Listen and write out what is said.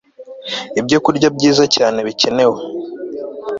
Ibyokurya Byiza Cyane Bikenewe